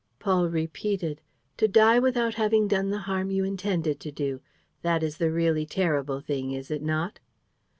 Paul repeated: "To die without having done the harm you intended to do, that is the really terrible thing, is it not?"